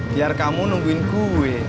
biar kamu nungguin gue